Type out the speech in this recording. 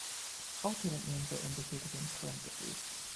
Alternate names are indicated in parentheses.